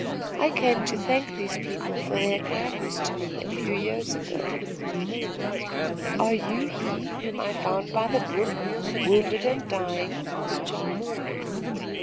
I came to thank these people for their kindness to me a few years ago." "Are you he whom I found by the brook, wounded and dying?" asked Charles.